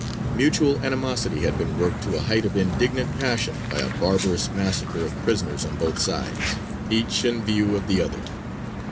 Mutual animosity had been worked to a height of indignant passion by a barbarous massacre of prisoners on both sides, each in view of the other.